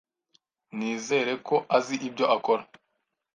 Nizere ko azi ibyo akora.